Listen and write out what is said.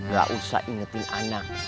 gak usah ingetin anak